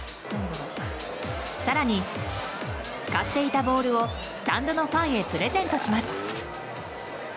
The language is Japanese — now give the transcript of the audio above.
更に使っていたボールをスタンドのファンへプレゼントします。